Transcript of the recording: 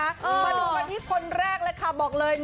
มาดูกันที่คนแรกเลยค่ะบอกเลย